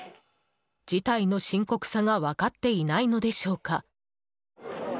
事態の深刻さが分かっていないのでしょうか。